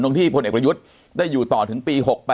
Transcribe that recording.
ที่พลเอกประยุทธ์ได้อยู่ต่อถึงปี๖๘